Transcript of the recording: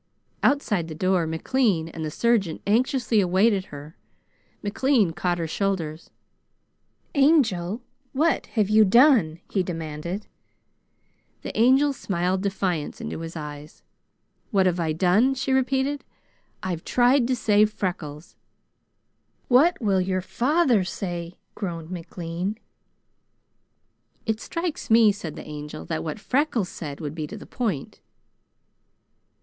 Outside the door, McLean and the surgeon anxiously awaited her. McLean caught her shoulders. "Angel, what have you done?" he demanded. The Angel smiled defiance into his eyes. "'What have I done?'" she repeated. "I've tried to save Freckles." "What will your father say?" groaned McLean. "It strikes me," said the Angel, "that what Freckles said would be to the point."